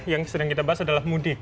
yang sedang kita bahas adalah mudik